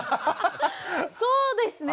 そうですね。